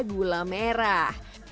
gula merah